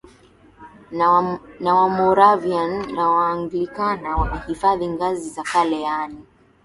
na Wamoravian na Waanglikana wamehifadhi ngazi za kale yaani